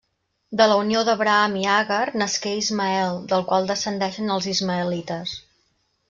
De la unió d'Abraham i Agar nasqué Ismael, del qual descendeixen els ismaelites.